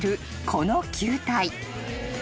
この球体］